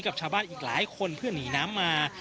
กับชาวบ้านอีกหลายคนเพื่อหนีน้ำมา